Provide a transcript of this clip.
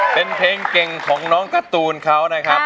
เป็นเพลงเก่งของน้องการ์ตูนเขา